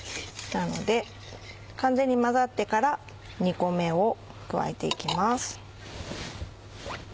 なので完全に混ざってから２個目を加えて行きます。